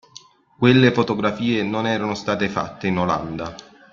Quelle fotografie non erano state fatte in Olanda.